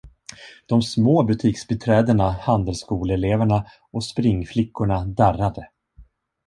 De små butiksbiträdena, handelsskoleeleverna och springflickorna darrade.